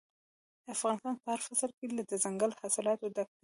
افغانستان په هر فصل کې له دځنګل حاصلاتو ډک دی.